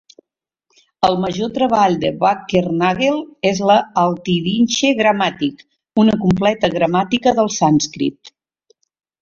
El major treball de Wackernagel és la "Altindische Grammatik", una completa gramàtica del sànscrit.